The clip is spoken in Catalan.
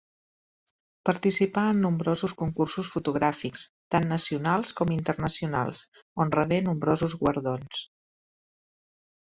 Participà en nombrosos concursos fotogràfics, tant nacionals com internacionals, on rebé nombrosos guardons.